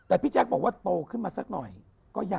แต่พี่แจ๊คบอกว่าโตขึ้นมาสักหน่อย